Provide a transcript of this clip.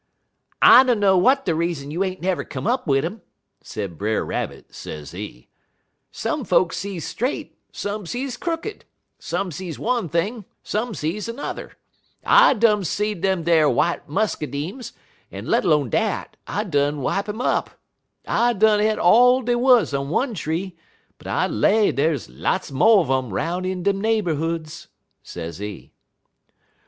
"'I dunner w'at de reason you ain't never come up wid um,' sez Brer Rabbit, sezee; 'some folks sees straight, some sees crooked, some sees one thing, some sees 'n'er. I done seed dem ar w'ite muscadimes, en let 'lone dat, I done wipe um up. I done e't all dey wuz on one tree, but I lay dey's lots mo' un um 'roun' in dem neighborhoods,' sezee.